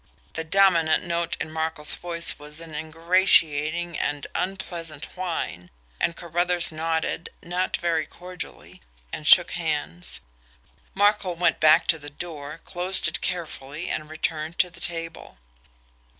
The dominant note in Markel's voice was an ingratiating and unpleasant whine, and Carruthers nodded, not very cordially and shook hands. Markel went back to the door, closed it carefully, and returned to the table.